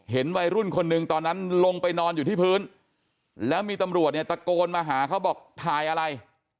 วัยรุ่นคนหนึ่งตอนนั้นลงไปนอนอยู่ที่พื้นแล้วมีตำรวจเนี่ยตะโกนมาหาเขาบอกถ่ายอะไร